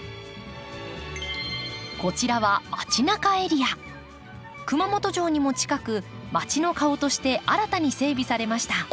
こちらは熊本城にも近くまちの顔として新たに整備されました。